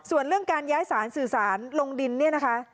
ส่วนเรื่องการย้ายสารสื่อสารลงดินเนี่ยนะคะ